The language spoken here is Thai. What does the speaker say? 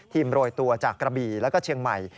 ทีมโรยตัวจากกระบีและเชียงใหม่